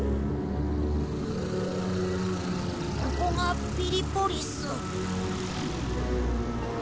ここがピリポリス。